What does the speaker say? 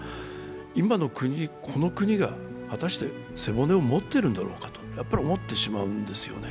今のこの国が果たして背骨を持っているんだろうかと、やっぱり思ってしまうんですよね。